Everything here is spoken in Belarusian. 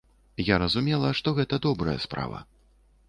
Я разумела, што гэта добрая справа.